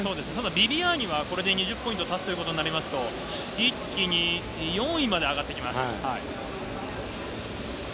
ビビアーニはこれで２０ポイント足すということになりますと、一気に４位まで上がってきます。